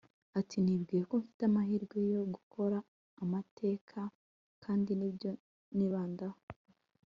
ati: nibwiye ko mfite amahirwe yo gukora amateka, kandi nibyo nibandaho